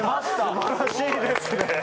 素晴らしいですね。